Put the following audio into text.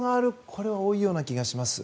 これは多いような気がします。